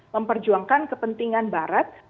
memperjuangkan kepentingan barat